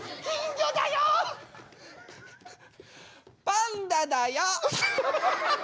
パンダだよ。